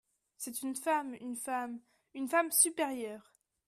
C'est une femme … une femme … une femme supérieure !